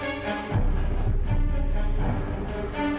jadi kita akan casadd